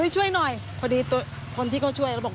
ช่วยหน่อยพอดีคนที่เขาช่วยเขาบอก